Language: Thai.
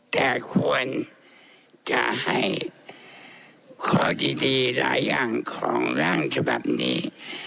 แต่ควรจะให้ข้อดีหลายอย่างของร่างฉบับนี้